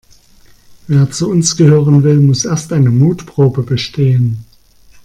Wer zu uns gehören will, muss erst eine Mutprobe bestehen.